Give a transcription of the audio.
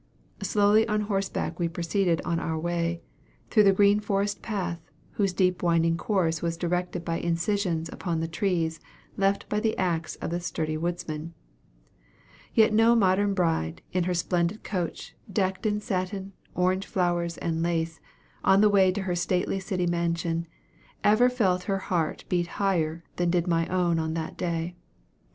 Slowly on horseback we proceeded on our way, through the green forest path, whose deep winding course was directed by incisions upon the trees left by the axe of the sturdy woodsman. Yet no modern bride, in her splendid coach, decked in satin, orange flowers, and lace on the way to her stately city mansion, ever felt her heart beat higher than did my own on that day.